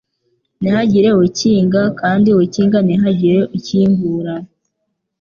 ntihagire ukinga, kandi ukinga ntihagire ukingura,